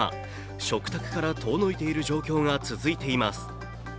食卓から遠のいている状況が続いています。